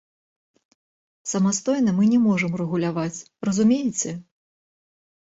Самастойна мы не можам рэгуляваць, разумееце?